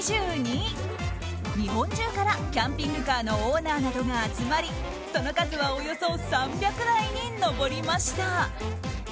日本中からキャンピングカーのオーナーなどが集まりその数はおよそ３００台に上りました。